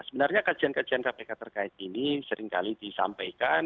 sebenarnya kajian kajian kpk terkait ini sering kali disampaikan